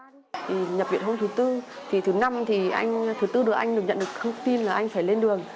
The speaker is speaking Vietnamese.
khi nhập viện hôm thứ tư thì thứ năm thì anh thứ tư được anh được nhận được thông tin là anh phải lên đường